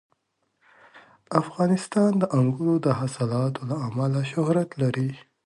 افغانستان د انګورو د حاصلاتو له امله شهرت لري.